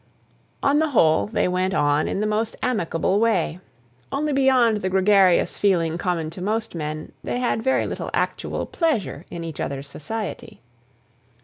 On the whole, they went on in the most amicable way; only beyond the gregarious feeling common to most men, they had very little actual pleasure in each other's society.